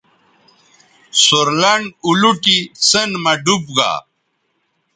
سور لنڈ اولوٹی سیئن مہ ڈوب گا